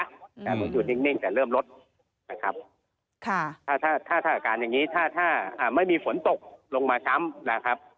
แต่บางจุดนิ่งแต่เริ่มลดนะครับถ้าถ้าอาการอย่างนี้ถ้าถ้าไม่มีฝนตกลงมาช้ำนะครับ